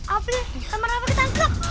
apli sama rafa ketangkep